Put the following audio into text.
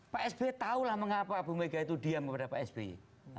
pak sby tahulah mengapa bumega itu diam kepada pak sby